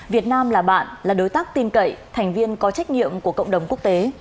việt nam là bạn là đối tác tin cậy thành viên có trách nhiệm của cộng đồng quốc tế